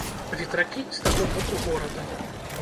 Ветракі з таго боку горада.